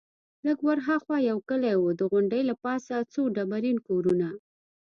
لږ ورهاخوا یو کلی وو، د غونډۍ له پاسه څو ډبرین کورونه.